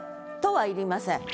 はいりません。